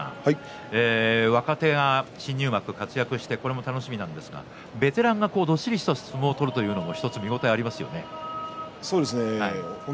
若手が新入幕活躍して楽しみですがベテランがどっしりとした相撲を取るというのも見応えがありますね。